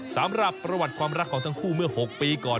สำหรับประวัติความรักของทั้งคู่เมื่อ๖ปีก่อน